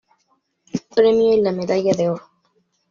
Premio y la Medalla de Oro.